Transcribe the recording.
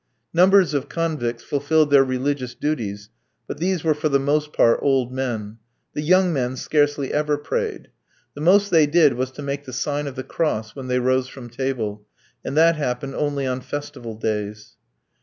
Numbers of convicts fulfilled their religious duties, but these were for the most part old men. The young men scarcely ever prayed. The most they did was to make the sign of the cross when they rose from table, and that happened only on festival days.